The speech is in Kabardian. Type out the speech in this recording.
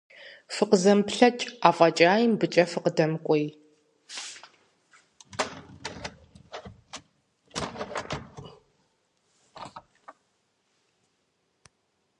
ФыкъызэмыплъэкӀ, афӀэкӀаи мыбыкӀэ фыкъыдэмыкӀуей.